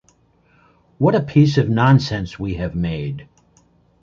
What a piece of nonsense we have made!